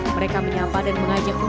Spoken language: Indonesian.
mereka menyapa dan mengajak mereka